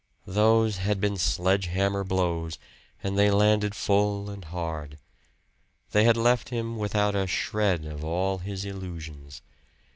Those had been sledge hammer blows, and they had landed full and hard. They had left him without a shred of all his illusions.